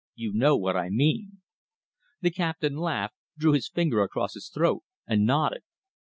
You know what I mean." The Captain laughed, drew his finger across his throat, and nodded.